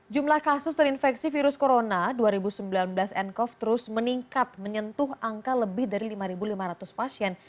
jumlah kasus terinfeksi virus corona dua ribu sembilan belas ncov terus meningkat menyentuh angka lebih dari lima lima ratus pasien